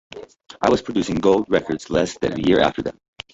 I was producing gold records less than a year after them.